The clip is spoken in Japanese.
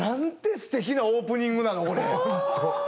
すてきなオープニングなの？